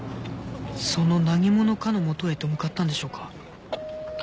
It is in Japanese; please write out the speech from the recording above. その何者かの元へと向かったんでしょうか？